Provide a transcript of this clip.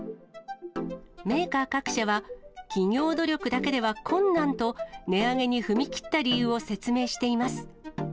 メーカー各社は、企業努力だけでは困難と、値上げに踏み切った理由を説明しています。